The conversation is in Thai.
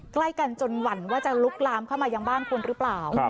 ใกล้กันจนหวั่นว่าจะลุกลามเข้ามายังบ้านคุณหรือเปล่า